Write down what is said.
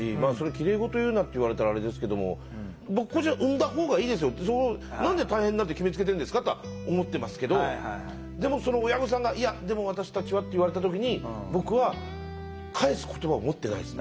きれい事を言うなって言われたらあれですけども僕個人は産んだ方がいいですよ何で大変になるって決めつけてるんですかとは思ってますけどでもその親御さんが「いやでも私たちは」って言われた時に僕は返す言葉を持ってないです。